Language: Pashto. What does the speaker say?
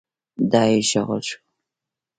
دا يې شغل شو.